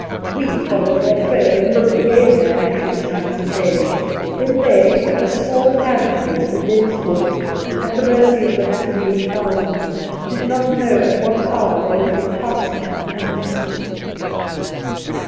We followed their trail and lived again their anxious nights and days, when they, a small handful in a dense Bush, at the mercy of the Matabele thousands, did not know at what hour they would be pounced on and massacred.